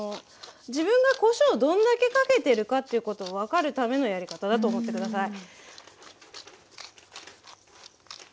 自分がこしょうどんだけかけてるかっていうことを分かるためのやり方だと思って下さい。